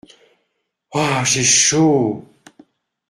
Ah ! j’ai chaud !…